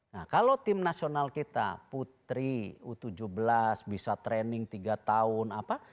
nah kalau tim nasional kita putri u tujuh belas bisa training tiga tahun apa